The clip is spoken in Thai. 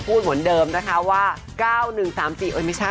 หรือไม่หลุดโป๊ะเขาหลุดเองหรือเปล่า